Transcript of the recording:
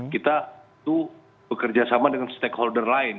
kita itu bekerja sama dengan stakeholder lain